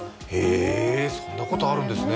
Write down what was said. そんなことあるんですね。